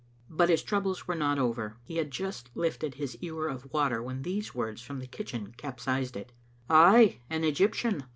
But his troubles were not over. He had just lifted his ewer of water when these words from the kitchen capsized it :—" Ay, an Egyptian.